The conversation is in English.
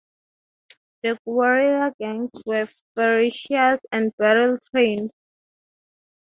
The guerrilla gangs were ferocious and battle trained.